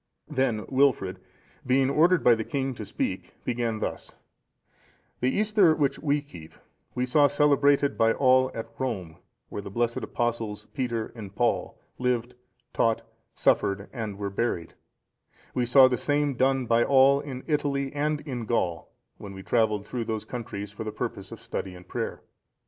Then Wilfrid, being ordered by the king to speak, began thus:—"The Easter which we keep, we saw celebrated by all at Rome, where the blessed Apostles, Peter and Paul, lived, taught, suffered, and were buried; we saw the same done by all in Italy and in Gaul, when we travelled through those countries for the purpose of study and prayer.